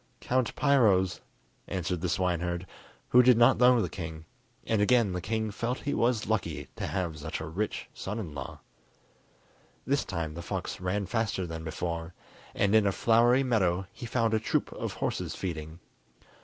"Count Piro's," answered the swineherd, who did not know the king; and again the king felt he was lucky to have such a rich son in law. This time the fox ran faster than before, and in a flowery meadow he found a troop of horses feeding.